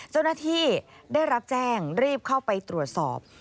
เจ้าหน้าที่ได้รับแจ้งรีบเข้าไปตรวจสอบ